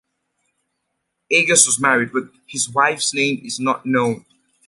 Agas was married, but his wife's name is not known.